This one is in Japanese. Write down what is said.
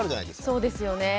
そうですよね。